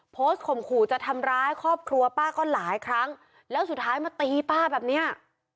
ข่มขู่จะทำร้ายครอบครัวป้าก็หลายครั้งแล้วสุดท้ายมาตีป้าแบบเนี้ย